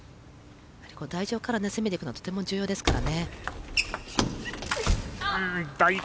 台上から攻めていくのはとても重要ですからね。